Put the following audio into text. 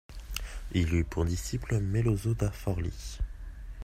Il eut pour disciple Melozzo da Forlì.